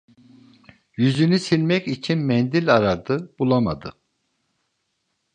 Yüzünü silmek için mendil aradı, bulamadı.